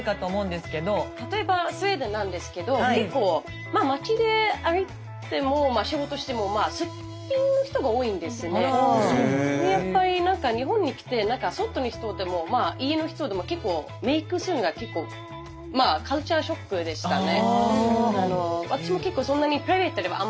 例えばスウェーデンなんですけど結構街で歩いても仕事してもやっぱり何か日本に来て外の人でも家の人でも結構メークするのが結構まあカルチャーショックでしたね。